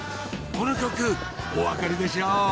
この曲お分かりでしょう？